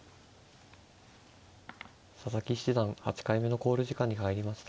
佐々木七段８回目の考慮時間に入りました。